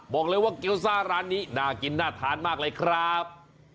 บอกเลยว่าเกี้ยวซ่าร้านนี้น่ากินน่าทานมากเลยครับ